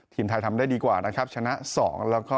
ทีมไทยทำได้ดีกว่านะครับชนะ๒แล้วก็